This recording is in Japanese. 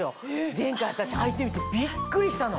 前回私履いてみてびっくりしたの。